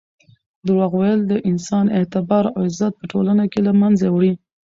درواغ ویل د انسان اعتبار او عزت په ټولنه کې له منځه وړي.